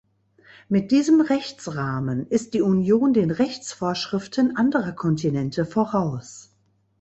Mit diesem Rechtsrahmen ist die Union den Rechtsvorschriften anderer Kontinente voraus.